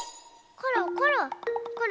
ころころ。